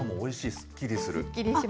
すっきりする。